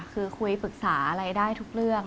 คือคุยปรึกษาอะไรได้ทุกเรื่อง